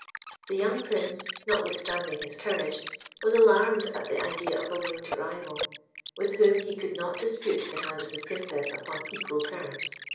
The young Prince, notwithstanding his courage, was alarmed at the idea of a winged rival, with whom he could not dispute the hand of the Princess upon equal terms.